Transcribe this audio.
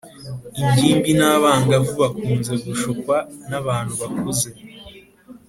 ingimbi n’abangavu bakunze gushukwa n’abantu bakuze,